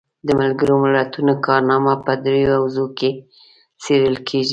د ملګرو ملتونو کارنامه په دریو حوزو کې څیړل کیږي.